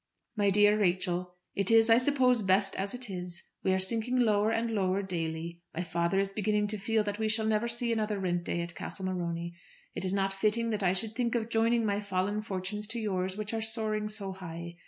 MY DEAR RACHEL, It is, I suppose, best as it is. We are sinking lower and lower daily. My father is beginning to feel that we shall never see another rent day at Castle Morony. It is not fitting that I should think of joining my fallen fortunes to yours, which are soaring so high.